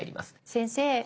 先生。